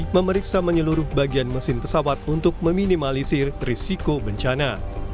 memeriksa menyeluruh bagian mesin pesawat untuk meminimalisir risiko bencana